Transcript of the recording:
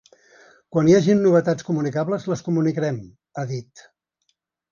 “Quan hi hagi novetats comunicables, les comunicarem”, ha dit.